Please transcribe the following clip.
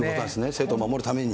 生徒を守るために。